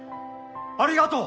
ありがとう！